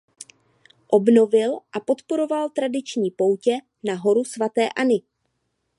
Obnovil a podporoval tradiční poutě na Horu svaté Anny.